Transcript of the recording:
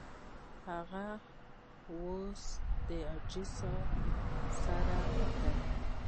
هغه اوس د حاجي صاحب سره دی.